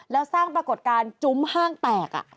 แล้วสร้างปรากฏการณ์จุ้มห้างแตก